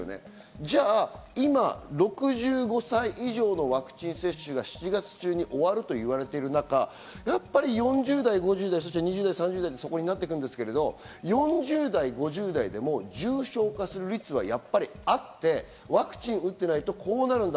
じゃあ今、６５歳以上のワクチン接種が７月中に終わると言われている中、やっぱり４０代、５０代、そして２０代、３０代ということになってくるんですけど、４０代、５０代でも重症化する率はやっぱりあって、ワクチンを打っていないとこうなるんだ。